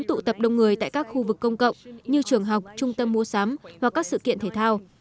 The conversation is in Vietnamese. tụ tập đông người tại các khu vực công cộng như trường học trung tâm mua sắm hoặc các sự kiện thể thao